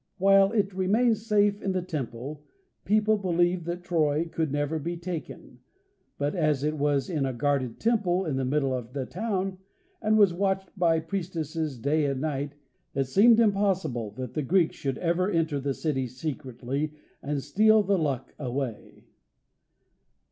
While it remained safe in the temple people believed that Troy could never be taken, but as it was in a guarded temple in the middle of the town, and was watched by priestesses day and night, it seemed impossible that the Greeks should ever enter the city secretly and steal the Luck away.